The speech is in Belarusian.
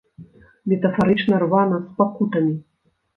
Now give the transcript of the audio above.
Метафарычна, рвана, з пакутамі.